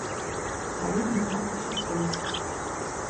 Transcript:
Але не так усё проста.